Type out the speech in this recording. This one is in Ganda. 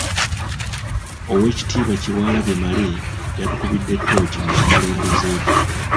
Oweekitiibwa Kyewalabye Male yatukubidde ttooki mu bukulembeze bwe.